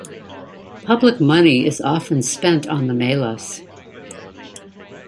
Public money is often spent on the melas.